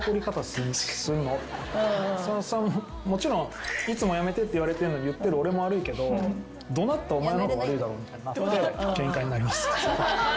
もちろんいつもやめてって言われてるのに言ってる俺も悪いけど怒鳴ったお前の方が悪いだろみたいになってケンカになります。